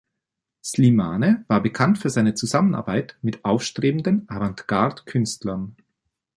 Slimane war bekannt für seine Zusammenarbeit mit aufstrebenden Avantgarde-Künstlern.